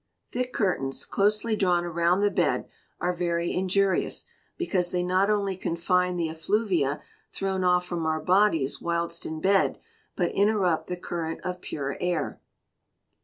Thick curtains, closely drawn around the bed, are very injurious, because they not only confine the effluvia thrown off from our bodies whilst in bed, but interrupt the current of pure air.